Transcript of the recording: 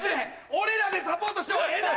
俺らでサポートしようええな！